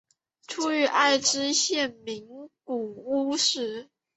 出生于爱知县名古屋市。